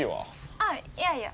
あっいやいや。